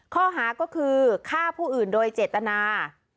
ข้อหาก็คือฆ่าผู้อื่นโดยเจตนา